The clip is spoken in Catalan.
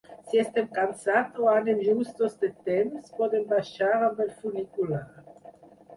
Si estem cansats o anem justos de temps, podem baixar amb el funicular.